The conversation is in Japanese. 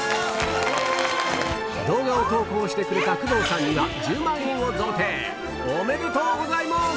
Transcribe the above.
動画を投稿してくれた工藤さんにはおめでとうございます！